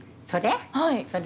それ？